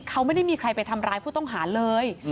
เขาไม่ได้มีใครไปทำร้ายผู้ต้องหาเลย